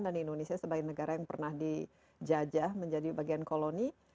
dan indonesia sebagai negara yang pernah dijajah menjadi bagian koloni